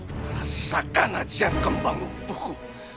rasakan ajaran kembang umpuku